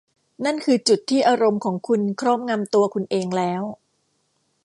นั่นคือจุดที่อารมณ์ของคุณครอบงำตัวคุณเองแล้ว